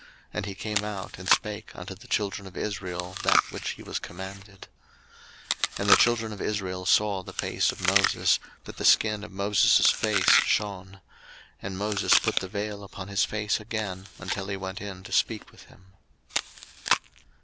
And he came out, and spake unto the children of Israel that which he was commanded. 02:034:035 And the children of Israel saw the face of Moses, that the skin of Moses' face shone: and Moses put the vail upon his face again, until he went in to speak with him.